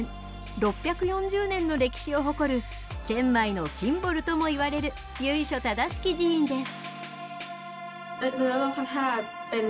６４０年の歴史を誇るチェンマイのシンボルともいわれる由緒正しき寺院です。